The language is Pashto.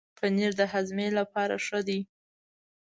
پنېر د هاضمې لپاره ښه دی.